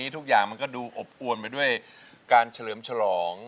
ทุกอย่างมันก็ดูอบอวนไปด้วยการเฉลิมฉลอง